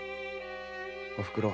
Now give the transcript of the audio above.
「おふくろ。